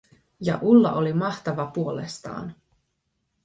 Ja Ulla oli mahtava puolestaan.